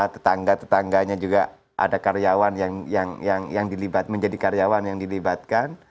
tetangga tetangganya juga ada karyawan yang menjadi karyawan yang dilibatkan